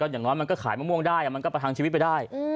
อย่างน้อยมันก็ขายมะม่วงได้มันก็ประทังชีวิตไปได้